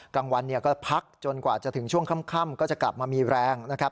กลางวันก็พักจนกว่าจะถึงช่วงค่ำก็จะกลับมามีแรงนะครับ